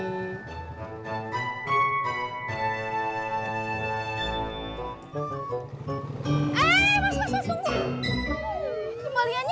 mas mas mas tunggu